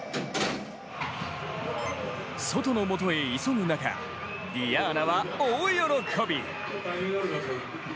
ソトの元へ急ぐ中、ディアーナは大喜び！